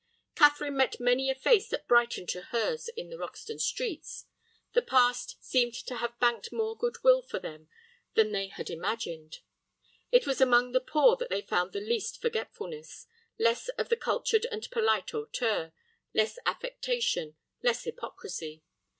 Catherine met many a face that brightened to hers in the Roxton streets. The past seemed to have banked more good will for them then they had imagined. It was among the poor that they found the least forgetfulness, less of the cultured and polite hauteur, less affectation, less hypocrisy.